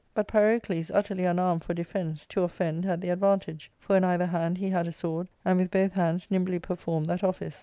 But Pyrocles, utterly unarmed for defence, to offend had the advantage ; for in either hand he had a sword, and with both hands nimbly performed that office.